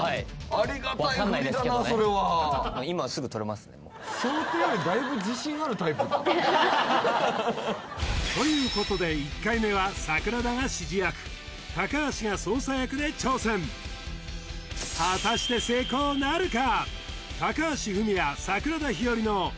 ありがたいフリだなあそれはということで１回目は桜田が指示役高橋が操作役で挑戦果たして成功なるか？